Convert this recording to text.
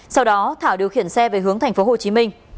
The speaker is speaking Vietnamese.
sau đó thảo điều khiển xe về hướng thành phố hồ chí minh